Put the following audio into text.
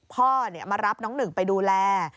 พ่อมารับน้องหนึ่งไปดูแล